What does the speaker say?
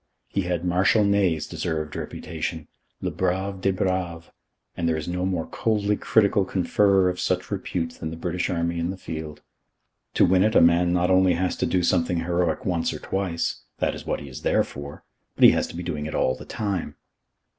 He had Marshal Ney's deserved reputation le brave des braves and there is no more coldly critical conferrer of such repute than the British Army in the field. To win it a man not only has to do something heroic once or twice that is what he is there for but he has to be doing it all the time.